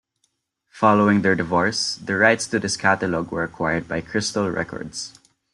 Following their divorce, the rights to this catalog were acquired by Crystal Records.